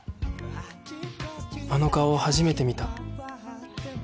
あの顔は初めて見た